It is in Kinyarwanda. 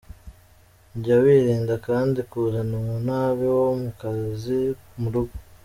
Jya wirinda kandi kuzana umunabi wo mu kazi mu rugo.